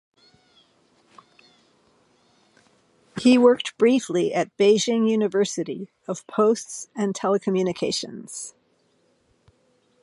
He worked briefly at Beijing University of Posts and Telecommunications.